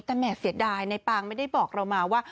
แต่แห่เสียดายในปางไม่ได้บอกเรามาว่า